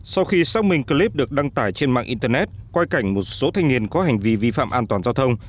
sau khi xác minh clip được đăng tải trên mạng internet quay cảnh một số thanh niên có hành vi vi phạm an toàn giao thông